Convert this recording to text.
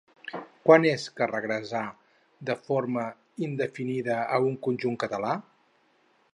Quan és que regressà de forma indefinida a un conjunt català?